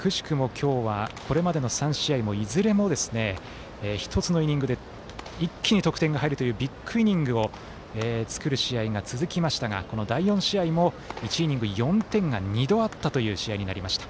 今日はこれまでの３試合いずれも１つのイニングで一気に得点が入るというビッグイニングを作る試合が続きましたがこの第４試合も、１イニングで４点が２度あったという試合になりました。